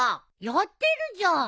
やってるじゃん！